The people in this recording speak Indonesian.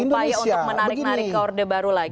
upaya untuk menarik narik ke orde baru lagi